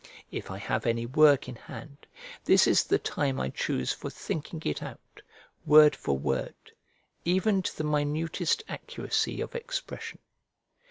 If I have any work in hand, this is the time I choose for thinking it out, word for word, even to the minutest accuracy of expression.